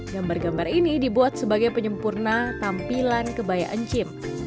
gambar gambar ini dibuat sebagai penyempurna tampilan kebaya encim